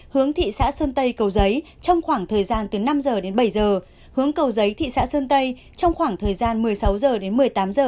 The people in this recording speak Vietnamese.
hướng thị xã sơn tây cầu giấy trong khoảng thời gian từ năm h đến bảy giờ hướng cầu giấy thị xã sơn tây trong khoảng thời gian một mươi sáu h đến một mươi tám h